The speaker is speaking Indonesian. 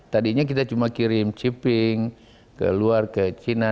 tadinya kita cuma kirim ciping ke luar ke cina